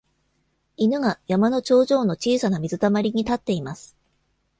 イヌが、山の頂上の小さな水溜りに立っています。